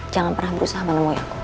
jangan pernah berusaha menemui aku